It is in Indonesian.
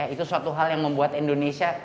itu suatu hal yang membuat indonesia